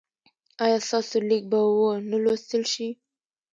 ایا ستاسو لیک به و نه لوستل شي؟